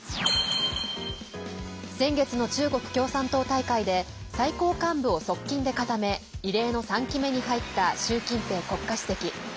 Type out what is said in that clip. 先月の中国共産党大会で最高幹部を側近で固め異例の３期目に入った習近平国家主席。